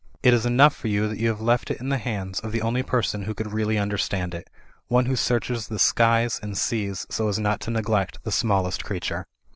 It is enough for you that you have left it in the hands of the only person who could really understand it; one who searches the skies and seas so as not to neglect the smallest creature."